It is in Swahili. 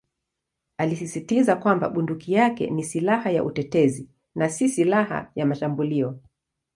Alisisitiza kwamba bunduki yake ni "silaha ya utetezi" na "si silaha ya mashambulio".